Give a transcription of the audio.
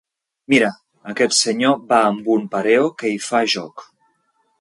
Mira, aquest senyor va amb un pareo que hi fa joc.